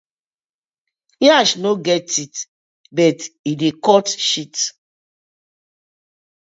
Yansh no get teeth but e dey cut shit: